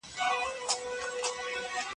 لیوس په خپل تعریف کي د توکو پر تولید ټینګار وکړ.